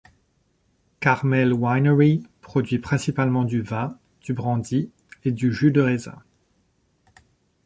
Carmel Winery produit principalement du vin, du brandy et du jus de raisin.